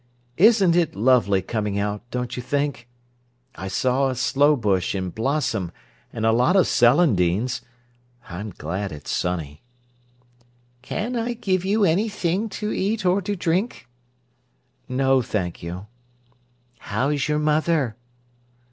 "Isn't it lovely coming out, don't you think? I saw a sloe bush in blossom and a lot of celandines. I'm glad it's sunny." "Can I give you anything to eat or to drink?" "No, thank you." "How's your mother?"